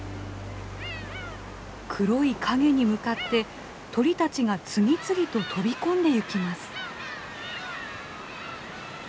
黒い影に向かって鳥たちが次々と飛び込んでゆきます。